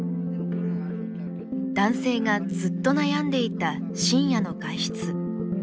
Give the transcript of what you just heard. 男性がずっと悩んでいた深夜の外出。